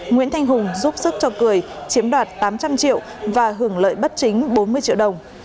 nguyễn thanh hùng giúp sức cho cười chiếm đoạt tám trăm linh triệu và hưởng lợi bất chính bốn mươi triệu đồng